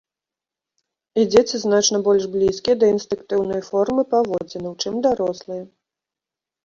І дзеці значна больш блізкія да інстынктыўнай формы паводзінаў, чым дарослыя.